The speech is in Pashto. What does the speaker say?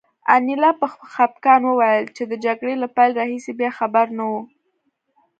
انیلا په خپګان وویل چې د جګړې له پیل راهیسې بیا خبر نه یو